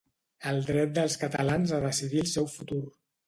El dret dels catalans a decidir el seu futur.